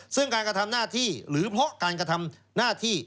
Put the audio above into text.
ซึ่งการกระทำหน้าที่หรือเพราะการกระทำหน้าที่